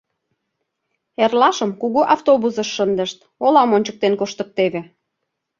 Эрлашым кугу автобусыш шындышт, олам ончыктен коштыктеве.